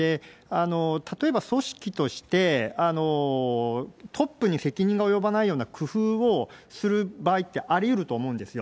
例えば組織として、トップに責任が及ばないような工夫をする場合ってありうると思うんですよ。